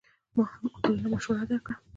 ما هم عاقلانه مشوره درکړه.